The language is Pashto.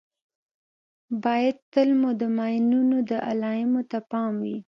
باید تل مو د ماینونو د علامو ته پام وي.